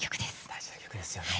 大事な曲ですよね。